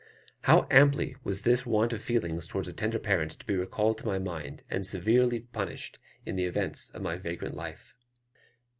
How amply has this want of feeling towards a tender parent been recalled to my mind, and severely punished, in the events of my vagrant life!